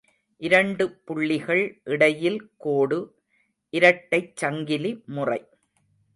இரண்டு புள்ளிகள் இடையில் கோடு – இரட்டைச் சங்கிலி முறை.